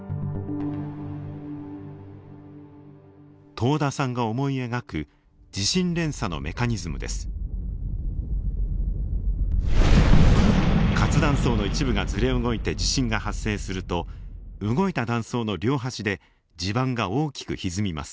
遠田さんが思い描く活断層の一部がずれ動いて地震が発生すると動いた断層の両端で地盤が大きくひずみます。